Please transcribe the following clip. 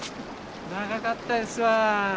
長かったですわ。